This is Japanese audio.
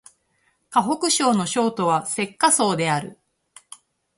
河北省の省都は石家荘である